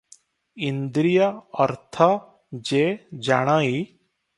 ଇନ୍ଦ୍ରିୟ ଅର୍ଥ ଯେ ଜାଣଇ ।